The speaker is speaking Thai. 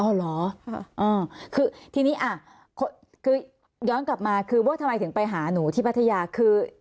เหรอคือทีนี้อ่ะคือย้อนกลับมาคือว่าทำไมถึงไปหาหนูที่พัทยาคือ